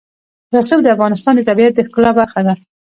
رسوب د افغانستان د طبیعت د ښکلا برخه ده.